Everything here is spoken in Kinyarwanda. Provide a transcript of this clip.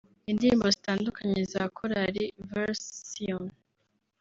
Indirimbo zitandukanye za Korali vers sion